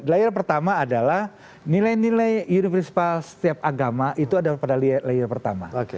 layer pertama adalah nilai nilai universpal setiap agama itu ada pada layer pertama